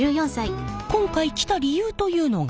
今回来た理由というのが？